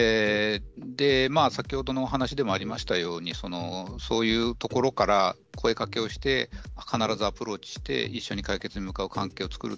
先ほどのお話にもありましたようにこういうところから声かけをして必ずアプローチをして一緒に解決に向かう関係を作る。